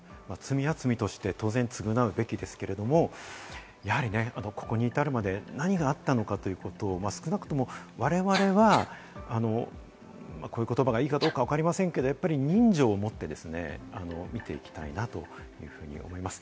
罪は当然償うべきですけれども、ここに至るまで何があったのかということを少なくともわれわれは、こういう言葉がいいかどうかわかりませんが、人情を持って見ていきたいなと思います。